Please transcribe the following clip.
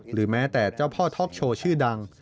หรือแม้แต่เจ้าพ่อท็อปโชว์ชื่อดัง